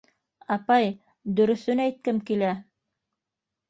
— Апай, дөрөҫөн әйткем килә.